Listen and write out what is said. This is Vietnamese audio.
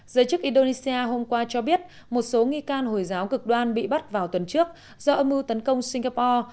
giới chức indonesia hôm qua cho biết một số nghi can hồi giáo cực đoan bị bắt vào tuần trước do âm mưu tấn công singapore